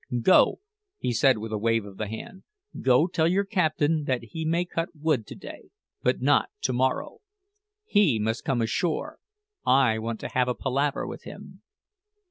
"Go," said he with a wave of the hand "go tell your captain that he may cut wood to day, but not to morrow. He must come ashore; I want to have a palaver with him."